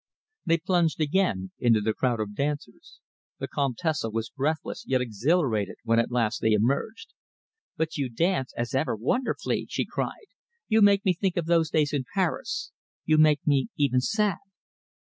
They plunged again into the crowd of dancers. The Comtesse was breathless yet exhilarated when at last they emerged. "But you dance, as ever, wonderfully!" she cried. "You make me think of those days in Paris. You make me even sad."